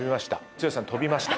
剛さん飛びました。